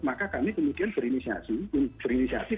maka kami kemudian berinisiasi